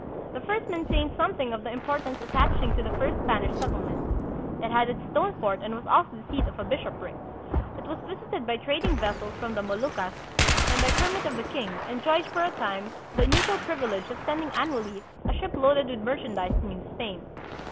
The first maintained something of the importance attaching to the first Spanish settlement. It had its stone fort and was also the seat of a bishopric. It was visited by trading vessels from the Moluccas, and by permit of the king enjoyed for a time the unusual privilege of sending annually a ship loaded with merchandise to New Spain.